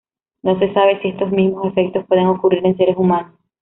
No se sabe si estos mismos efectos pueden ocurrir en seres humanos.